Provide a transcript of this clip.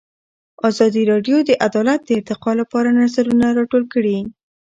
ازادي راډیو د عدالت د ارتقا لپاره نظرونه راټول کړي.